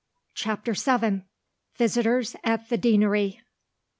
CHAPTER VII. VISITORS AT THE DEANERY.